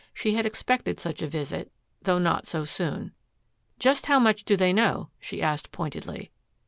She had expected such a visit, though not so soon. "Just how much do they know?" she asked pointedly.